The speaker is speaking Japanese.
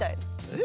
え？